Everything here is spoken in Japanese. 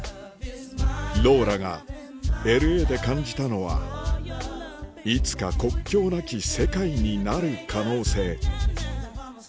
ローラがＬＡで感じたのはいつか国境なき世界になる可能性